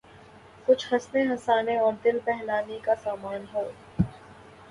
کچھ ہنسنے ہنسانے اور دل بہلانے کا سامان ہو۔